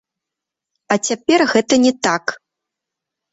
А цяпер гэта не так.